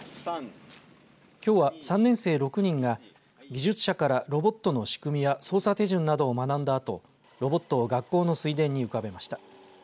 きょうは３年生６人が技術者からロボットの仕組みや操作手順などを学んだあとロボットを学校の水田に浮かべました。